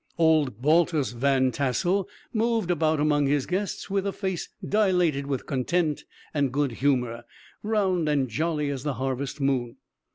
Old Baltus Van Tassel moved about among his guests with a face dilated with content and good humor, round and jolly as the harvest moon.